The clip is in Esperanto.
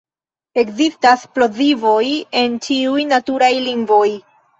Ekzistas plozivoj en ĉiuj naturaj lingvoj.